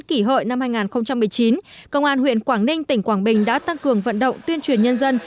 kỷ hội năm hai nghìn một mươi chín công an huyện quảng ninh tỉnh quảng bình đã tăng cường vận động tuyên truyền nhân dân